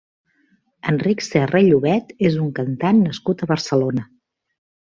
Enric Serra i Llobet és un cantant nascut a Barcelona.